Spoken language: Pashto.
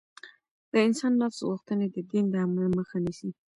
د انسان نفس غوښتنې د دين د عمل مخه نيسي.